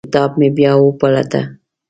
کتاب مې بیا وپلټه.